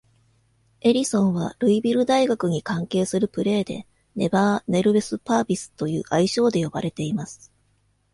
エリソンはルイビル大学に関係するプレーで「ネヴァー・ネルウェス・パービス」という愛称で呼ばれています。